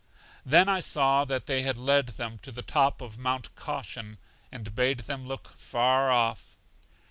Then I saw that they had led them to the top of Mount Caution, and bade them look far off.